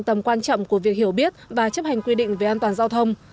tầm quan trọng của việc hiểu biết và chấp hành quy định về an toàn giao thông